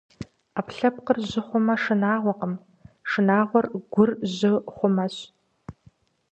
Ӏэпкълъэпкъыр жьы хъумэ шынагъуэкъым, шынагъуэр гур жьы хъумэщ.